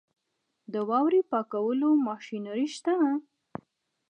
د واورې پاکولو ماشینري شته؟